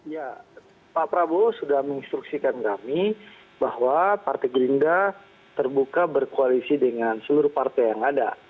ya pak prabowo sudah menginstruksikan kami bahwa partai gerindra terbuka berkoalisi dengan seluruh partai yang ada